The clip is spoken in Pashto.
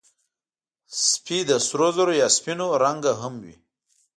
سپي د سرو زرو یا سپینو رنګه هم وي.